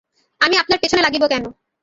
আমি আপনার পেছনে লাগিব কেন?